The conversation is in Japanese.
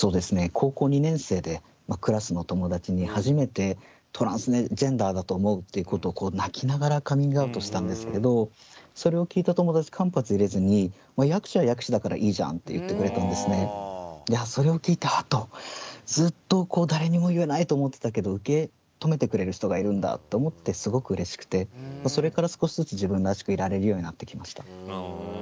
高校２年生でクラスの友達に初めてトランジェンダーだと思うっていうことを泣きながらカミングアウトしたんですけどそれを聞いた友達間髪入れずにそれを聞いたあとずっと誰にも言えないと思ってたけど受け止めてくれる人がいるんだと思ってすごくうれしくてそれから少しずつ自分らしくいられるようになってきました。